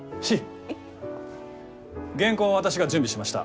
原稿は私が準備しました。